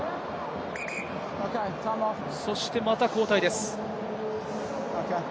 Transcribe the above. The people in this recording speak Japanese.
そしてまた交代です。